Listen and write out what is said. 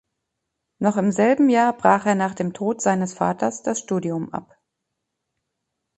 Noch im selben Jahr brach er nach dem Tod seines Vaters das Studium ab.